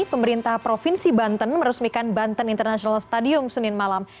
pemerintah provinsi banten meresmikan banten international stadium senin malam